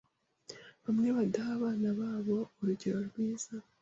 bamwe badaha abana babo urugero rwiza